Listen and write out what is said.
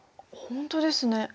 本当ですね。